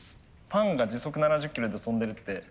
パンが時速７０キロで跳んでるって。